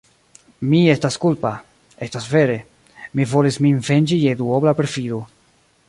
Mi estas kulpa; estas vere: mi volis min venĝi je duobla perfido.